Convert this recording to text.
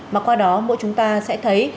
mà qua đó mỗi chúng ta sẽ thấy